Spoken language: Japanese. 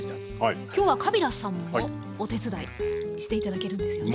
今日はカビラさんもお手伝いして頂けるんですよね？